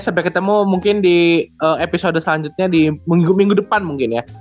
sampai ketemu mungkin di episode selanjutnya di minggu minggu depan mungkin ya